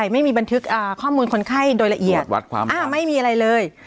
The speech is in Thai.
ไม่มีบันทึกข้อมูลคนไข้โดยละเอียดไม่มีอะไรเลย